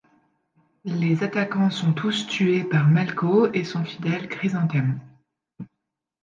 Les attaquants sont tous tués par Malko et son fidèle Krisantem.